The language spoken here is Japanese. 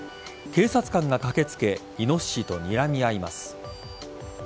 警察官が駆けつけイノシシとにらみ合います。